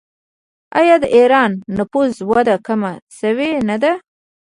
آیا د ایران د نفوس وده کمه شوې نه ده؟